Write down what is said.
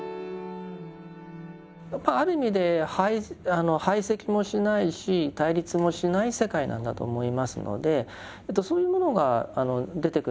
やっぱりある意味で排斥もしないし対立もしない世界なんだと思いますのでそういうものが出てくるんだと思います。